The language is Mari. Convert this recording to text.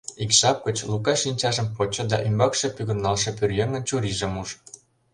Ик жап гыч Лука шинчажым почо да ӱмбакше пӱгырналше пӧръеҥын чурийжым ужо.